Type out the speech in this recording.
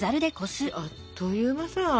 あっという間さ！